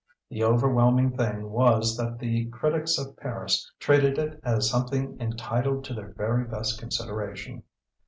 The overwhelming thing was that the critics of Paris treated it as something entitled to their very best consideration.